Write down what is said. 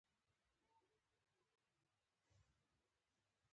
چاکلېټ د خفګان علاج دی.